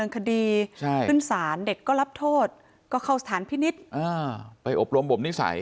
คดีขึ้นศาลเด็กก็รับโทษก็เข้าสถานพินิษฐ์ไปอบรมบ่มนิสัย